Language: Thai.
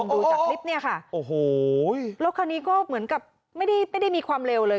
ดูจากคลิปเนี่ยค่ะโอ้โหรถคันนี้ก็เหมือนกับไม่ได้ไม่ได้มีความเร็วเลย